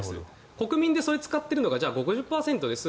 国民でそれを使っているのが５０％です。